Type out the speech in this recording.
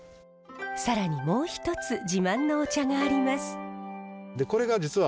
更にもう一つ自慢のお茶があります。